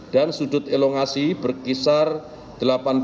dan sudut elongasi berkisar delapan empat menit